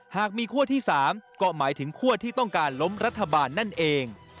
หากมีขั้วที่๓ก็หมายถึงคั่วที่ต้องการล้มรัฐบาลนั่นเอง